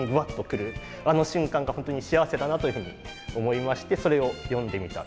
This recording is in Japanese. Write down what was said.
あの瞬間が本当に幸せだなというふうに思いましてそれを詠んでみた。